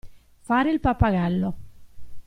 Fare il pappagallo.